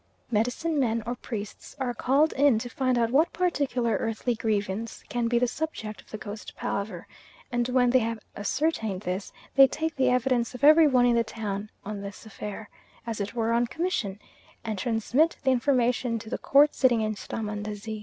Medicine men or priests are called in to find out what particular earthly grievance can be the subject of the ghost palaver, and when they have ascertained this, they take the evidence of every one in the town on this affair, as it were on commission, and transmit the information to the court sitting in Srahmandazi.